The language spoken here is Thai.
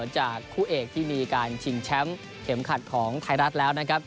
จากคู่เอกที่มีการชิงแชมป์เข็มขัดของไทยรัฐแล้วนะครับ